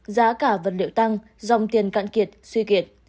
giá cả vật liệu tăng dòng tiền cạn kiệt suy kiệt